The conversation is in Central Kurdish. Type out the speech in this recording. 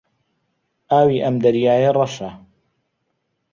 ئاوی ئەم دەریایە ڕەشە.